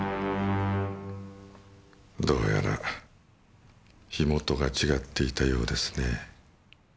どうやら火元が違っていたようですねぇ。